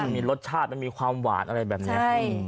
มีรสชาติมันมีความหวานอะไรแบบนี้